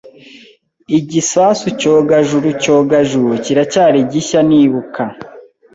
Igisasu cyogajuru cyogajuru kiracyari gishya nibuka.